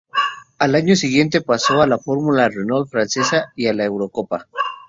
Al año siguiente pasó a la Fórmula Renault Francesa y a la Eurocopa.